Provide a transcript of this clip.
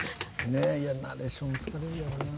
ねえナレーション疲れるよな。